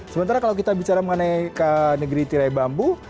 sementara kalau kita bicara mengenai negeri tirai bambu